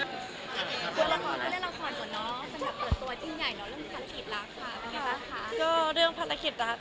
คือละครก็เล่นละครหมดเนอะสำหรับเปิดตัวยิ่งใหญ่เนอะเรื่องภารกิจรักค่ะเป็นไงบ้างคะ